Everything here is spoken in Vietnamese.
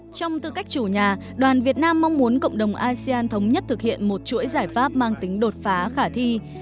trong tư cách chủ nhà đoàn việt nam mong muốn cộng đồng asean thống nhất thực hiện một chuỗi giải pháp mang tính đột phá khả thi